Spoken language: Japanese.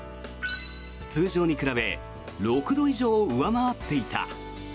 通常に比べ６度以上上回っていた。